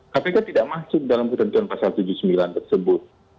kpk tidak masuk dalam ketentuan pasal tujuh puluh sembilan tersebut